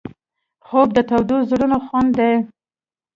خوب د تودو زړونو خوند دی